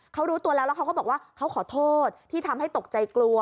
เขารู้ตัวแล้วแล้วเขาก็บอกว่าเขาขอโทษที่ทำให้ตกใจกลัว